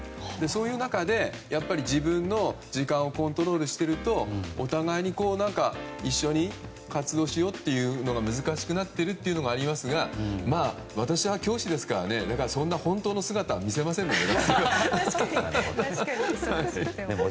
そういう中でやっぱり自分の時間をコントロールしているとお互いに一緒に活動しようというのが難しくなっているというのがありますが私は教師ですから本当の姿は見せませんので学生には。